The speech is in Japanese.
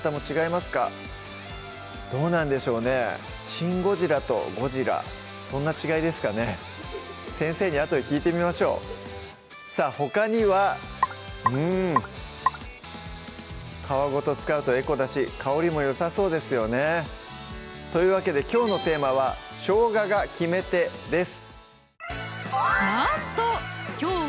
シン・ゴジラとゴジラそんな違いで先生にあとで聞いてみましょうさぁほかにはうん皮ごと使うとエコだし香りもよさそうですよねというわけできょうのテーマは「しょうがが決め手」です